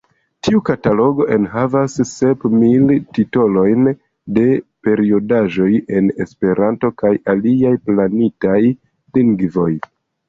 Tiu katalogo enhavas sep mil titolojn de periodaĵoj en Esperanto kaj aliaj planitaj lingvoj.